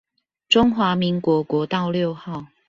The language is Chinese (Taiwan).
中華民國國道六號